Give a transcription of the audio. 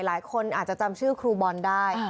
หลายคนอาจจะจำชื่อครูบอลได้